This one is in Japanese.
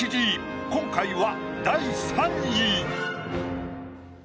今回は第３位！